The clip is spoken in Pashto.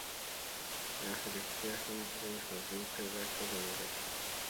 اه ریښتیا هم زه هغو ته دا کله ویلای شم.